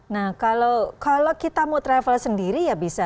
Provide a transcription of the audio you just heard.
nah kalau kita mau travel sendiri ya bisa